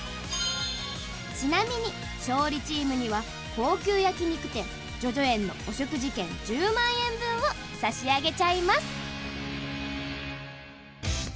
ちなみに勝利チームには高級焼肉店叙々苑のお食事券１０万円分を差し上げちゃいます。